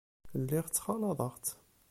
Lliɣ ttxalaḍeɣ-tt.